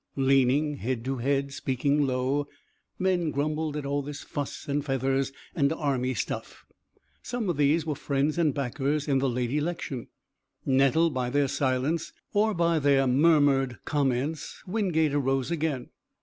Leaning head to head, speaking low, men grumbled at all this fuss and feathers and Army stuff. Some of these were friends and backers in the late election. Nettled by their silence, or by their murmured comments, Wingate arose again.